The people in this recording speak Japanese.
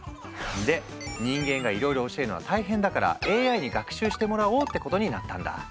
で人間がいろいろ教えるのは大変だからＡＩに学習してもらおうってことになったんだ。